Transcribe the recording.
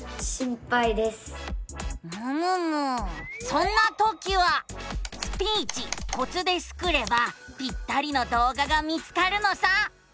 そんなときは「スピーチコツ」でスクればぴったりの動画が見つかるのさ。